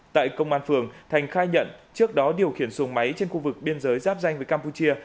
tại công an phường thành khai nhận trước đó điều khiển xuồng máy trên khu vực biên giới giáp danh với campuchia